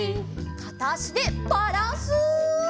かたあしでバランス！